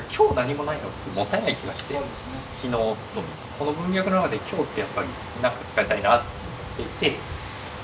この文脈の中で今日ってやっぱり何か使いたいな。